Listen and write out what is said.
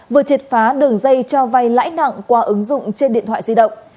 vừa triệt phá đường dây cho vay lãi nặng qua ứng dụng trên điện thoại di động